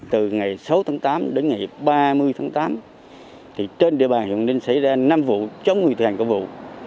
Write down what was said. từ ngày sáu tháng tám đến ngày ba mươi tháng tám trên địa bàn hồng ninh xảy ra năm vụ chống nguyên thuyền của vụ